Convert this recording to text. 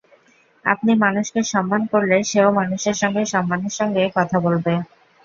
আপনি মানুষকে সম্মান করলে সেও মানুষের সঙ্গে সম্মানের সঙ্গে কথা বলবে।